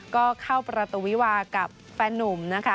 ก็เข้าประตูวิวากับแฟนนุ่มนะคะ